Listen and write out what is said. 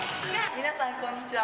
皆さん、こんにちは。